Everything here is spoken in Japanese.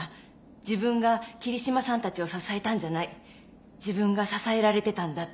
自分が桐島さんたちを支えたんじゃない自分が支えられてたんだって。